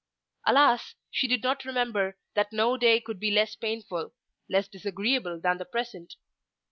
Alas! she did not remember that no day could be less painful, less disagreeable than the present.